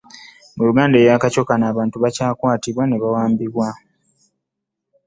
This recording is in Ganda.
Mu Uganda eya kaco kano, abantu bakyakwatibwa ne bawambibwa.